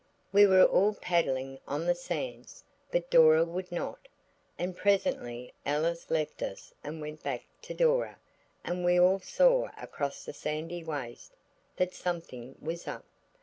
We were all paddling on the sands, but Dora would not. And presently Alice left us and went back to Dora, and we all saw across the sandy waste that something was up.